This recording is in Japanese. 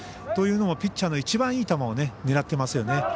というのも、ピッチャーの一番いい球を狙ってますよね。